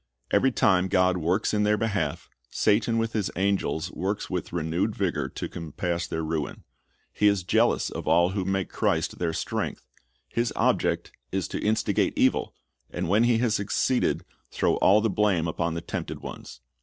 Every time God works in their behalf, Satan with his angels works with renewed vigor to compass their ruin. He is jealous of all who make Christ their strength. His object is to instigate evil, and when he has succeeded, throw all the blame upon the tempted ones.